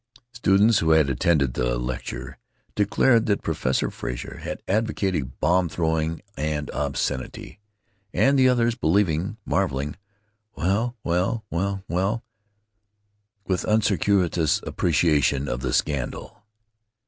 Students who had attended the lecture declared that Professor Frazer had advocated bomb throwing and obscenity, and the others believed, marveling, "Well, well, well, well!" with unctuous appreciation of the scandal.